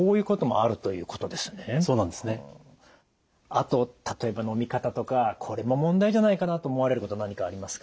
あと例えばのみ方とかこれも問題じゃないかなと思われること何かありますか？